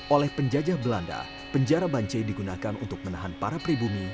oleh penjajah belanda penjara bancai digunakan untuk menahan para pribumi